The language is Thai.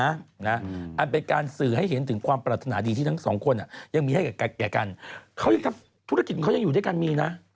อันเป็นการสื่อให้เห็นถึงความปรารถนาดีที่ทั้งสองคนยังมีให้แก่กันเขายังทำธุรกิจของเขายังอยู่ด้วยกันมีนะ